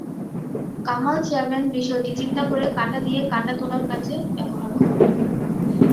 Kamal chairman বিষয়টি চিন্তা করে কাঁটা দিয়ে কাঁটা তোলার কাজে ব্যবহার করে।